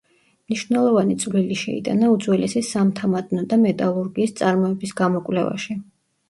მნიშვნელოვანი წვლილი შეიტანა უძველესი სამთამადნო და მეტალურგიის წარმოების გამოკვლევაში.